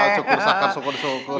syukur sakar syukur syukur